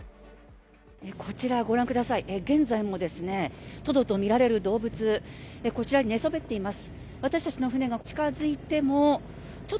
こちらご覧ください、現在もトドとみられる動物こちらに寝そべっています。